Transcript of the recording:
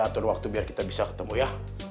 saya atur waktu biar kita bisa ketemu ya